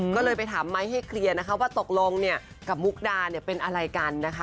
ก็เลยไปถามไมค์ให้เคลียร์นะคะว่าตกลงเนี่ยกับมุกดาเนี่ยเป็นอะไรกันนะคะ